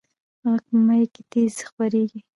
غږ په مایع کې تیز خپرېږي.